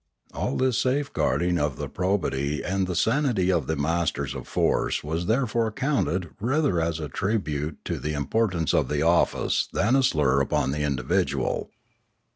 All this safe guarding of the probity and the sanity of the masters of force was therefore counted rather as a tribute to the importance of the office than a slur upon the indi vidual.